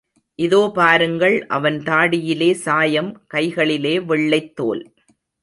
இதோ பாருங்கள் அவன் தாடியிலே சாயம், கைகளிலே வெள்ளைத் தோல்.